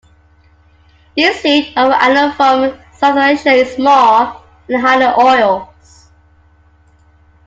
This seed of an annual from South Asia is small, and high in oils.